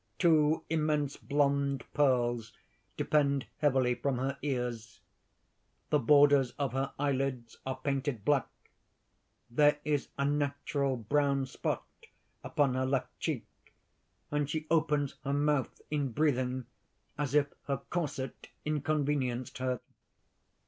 Two immense blond pearls depend heavily from her ears. The borders of her eyelids are painted black. There is a natural brown spot upon her left cheek; and she opens her mouth in breathing, as if her corset inconvenienced her.